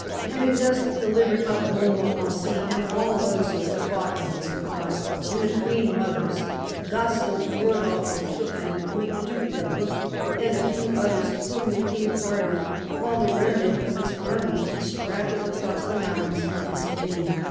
Having thus delivered up Montmorency and all those who had fought in his cause and the Queen mother's, Gaston rode off for Touraine with the Due d'Elbeuf and a few others whom the King pardoned, while the remnant of his army straggled across the mountains into Spain.